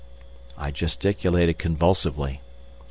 I gesticulated convulsively.